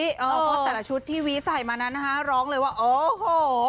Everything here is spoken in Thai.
ก็แต่ละชุดที่วิใส่มานะร้องว่าโอ้โห